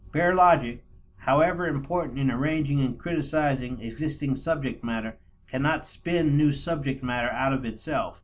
Bare logic, however important in arranging and criticizing existing subject matter, cannot spin new subject matter out of itself.